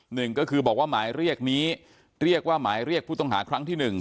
หนึ่งก็คือบอกว่าหมายเรียกนี้เรียกว่าหมายเรียกผู้ต้องหาครั้งที่หนึ่ง